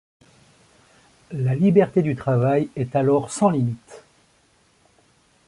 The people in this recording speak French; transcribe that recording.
La liberté du travail est alors sans limite.